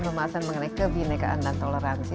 pembahasan mengenai kebinekaan dan toleransi